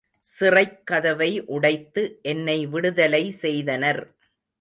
சிறைக் கதவை உடைத்து என்னை விடுதலைசெய்தனர்.